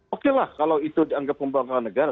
oke lah kalau itu dianggap pembangunan negara